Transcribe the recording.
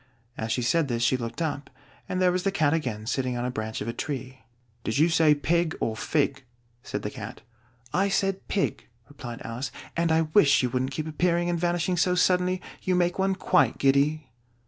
As she said this, she looked up, and there was the Cat again, sitting on a branch of a tree. "Did you say pig, or fig?" said the Cat. "I said pig," replied Alice; "and I wish you wouldn't keep appearing and vanishing so suddenly: you make one quite giddy."